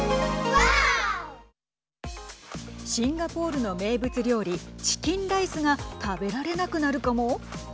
シンガポールの名物料理チキンライスが食べられなくなるかも。